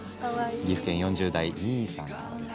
岐阜県４０代の方からです。